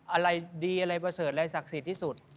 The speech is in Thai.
อะไรดีอะไรประเสริฐอะไรศักดิ์สิทธิ์ที่สุด